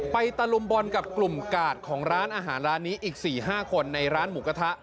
ตะลุมบอลกับกลุ่มกาดของร้านอาหารร้านนี้อีก๔๕คนในร้านหมูกระทะ